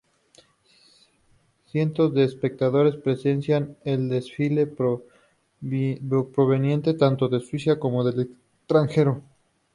Cientos de espectadores presencian el desfile provenientes tanto de Suiza como del extranjero.